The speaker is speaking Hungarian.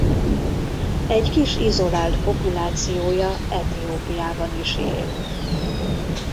Egy kis izolált populációja Etiópiában is él.